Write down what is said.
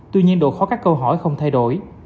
tuy nhiên độ khó các câu hỏi không thay đổi